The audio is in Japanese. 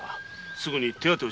すぐ手当てを。